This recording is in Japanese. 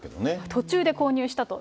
途中で購入したと。